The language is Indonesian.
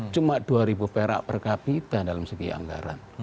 cuma dua ribu perak per kapita dalam segi anggaran